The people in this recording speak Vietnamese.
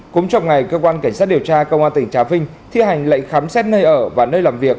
cũng trong ngày cơ quan cảnh sát điều tra công an tỉnh trà vinh thi hành lệnh khám xét nơi ở và nơi làm việc